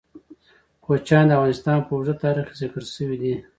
کوچیان د افغانستان په اوږده تاریخ کې ذکر شوی دی.